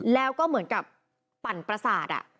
แล้วก็เหมือนกับปั่นประสาท